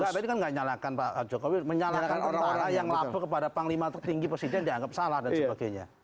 nggak tapi kan nggak menyalahkan pak jokowi menyalahkan tentara yang lapor kepada panglima tertinggi presiden dianggap salah dan sebagainya